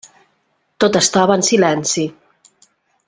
Tot estava en silenci.